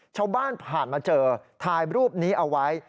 ชาวบ้านผ่านมาเจอถ่ายรูปนี้เอาไว้